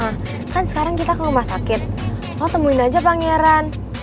kan sekarang kita ke rumah sakit lo temuin aja pangeran